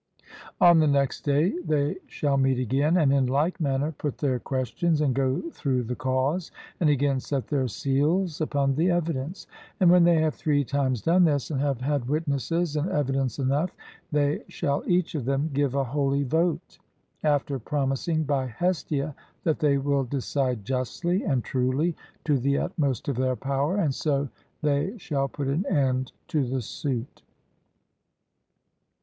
On the next day they shall meet again, and in like manner put their questions and go through the cause, and again set their seals upon the evidence; and when they have three times done this, and have had witnesses and evidence enough, they shall each of them give a holy vote, after promising by Hestia that they will decide justly and truly to the utmost of their power; and so they shall put an end to the suit.